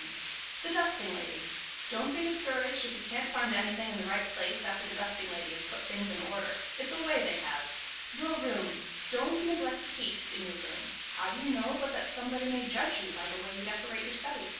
[Sidenote: THE DUSTING LADY] Don't be discouraged if you can't find anything in the right place after the dusting lady has put things in order. It's a way they have. [Sidenote: YOUR ROOM] Don't neglect taste in your room. How do you know but that somebody may judge you by the way you decorate your study?